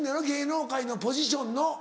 芸能界のポジションの。